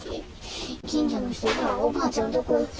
近所の人が、おばあちゃんどこ行った？